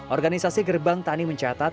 organisasi gerbang tani mencatat